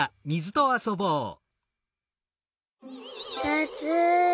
あつい！